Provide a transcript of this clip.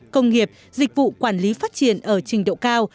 công nghiệp dịch vụ quản lý phát triển ở trình độ cao